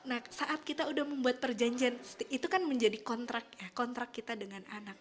nah saat kita udah membuat perjanjian itu kan menjadi kontrak ya kontrak kita dengan anak